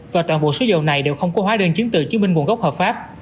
và toàn bộ số dầu này đều không có hóa đơn chứng từ chứng minh nguồn gốc hợp pháp